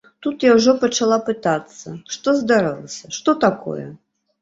Тут я ўжо пачала пытацца, што здарылася, што такое.